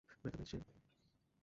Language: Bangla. ব্যথা পেয়েছে সে?